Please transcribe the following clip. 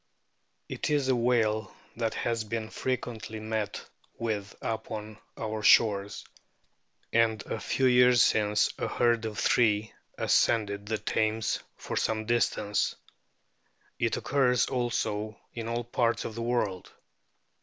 It is a whale that has been fre O quently met with upon our shores, and a few years since a herd of three ascended the Thames for some distance. It occurs also in all parts of the world.